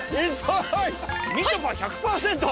みちょぱ１００％。